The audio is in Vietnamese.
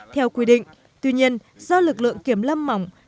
tuy nhiên do lực lượng kiểm lâm mỏng